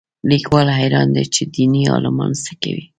لیکوال حیران دی چې دیني عالمان څه کوي